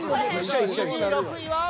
２６位は。